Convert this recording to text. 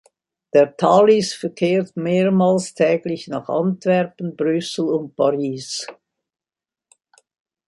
Der Thalys verkehrt mehrmals täglich nach Antwerpen, Brüssel und Paris.